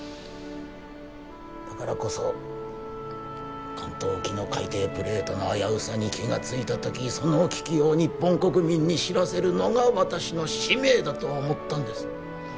だからこそ関東沖の海底プレートの危うさに気がついた時その危機を日本国民に知らせるのが私の使命だと思ったんです